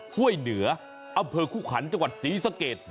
ห้วยเหนืออคุขัญจศรีสะเกต